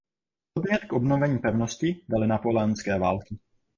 Podnět k obnovení pevnosti daly napoleonské války.